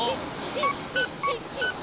ピッピッピッピッピ。